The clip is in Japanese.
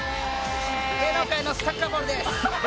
芸能界のサッカーボールです！